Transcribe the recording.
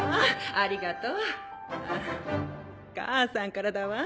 あ母さんからだわ。